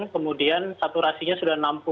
kemudian saturasinya sudah enam puluh